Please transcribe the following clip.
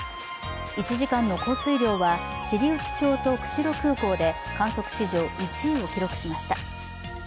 １時間の降水量は知内町と釧路空港で観測史上１位を記録しました。